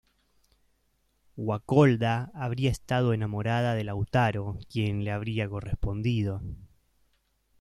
Guacolda habría estado enamorada de Lautaro, quien le habría correspondido.